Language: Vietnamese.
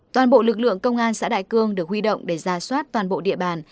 toàn bộ lực lượng công an xã đại cương được huy động để ra soát toàn bộ địa bàn